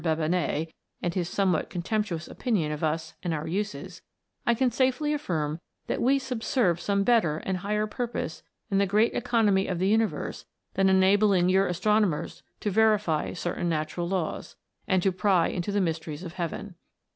Babinet, and his somewhat con temptuous opinion of us and our uses, I can safely affirm that we subserve some better and higher purpose in the great economy of the universe than enabling your astronomers to verify certain natural laws, and to pry into the mysteries of heaven.